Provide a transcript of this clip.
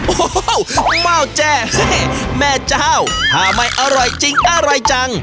โอ้โหเม่าแจ้แม่เจ้าถ้าไม่อร่อยจริงอร่อยจัง